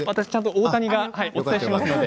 大谷がお伝えしますので。